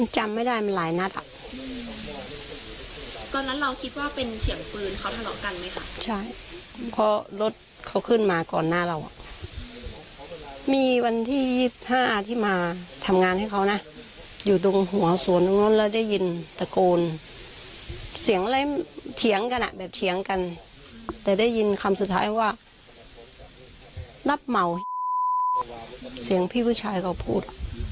เชียงกันแต่ได้ยินคำสุดท้ายว่านับเหมาเสียงพี่ผู้ชายเขาพูด